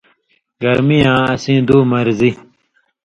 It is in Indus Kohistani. گرمی آں اسیں دُو مرضی